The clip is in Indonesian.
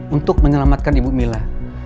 untuk menyelamatkan ibu mila